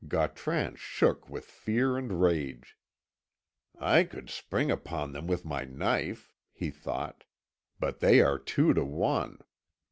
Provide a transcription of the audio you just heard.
Gautran shook with fear and rage. "I could spring upon them with my knife," he thought, "but they are two to one."